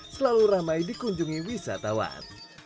selalu ramai dikunjungi wisatawan